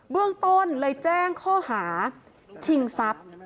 เรื่องต้นเลยแจ้งข้อหาชิงทรัพย์